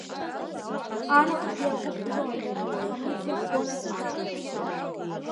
Анаҟәгьы агәы ԥжәон, ахаԥыц иахгон аҿҿа.